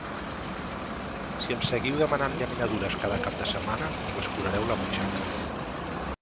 Si em seguiu demanant llaminadures cada cap de setmana, m'escurareu la butxaca.